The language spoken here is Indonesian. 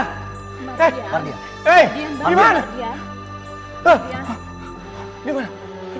mardian diam banget mardian